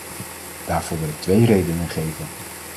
Daarvoor wil ik twee redenen geven.